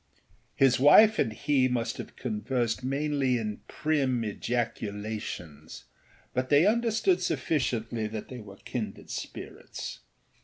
â His wife and he must have conversed mainly in prim ejaculations, but they understood sufficiently that they were kindred spirits.